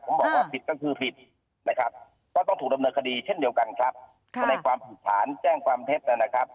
ผมบอกว่าผิดก็คือผิดนะครับก็ต้องถูกดำเนินคดีเช่นเดียวกันครับในความผิดฐานแจ้งความเท็จนะครับ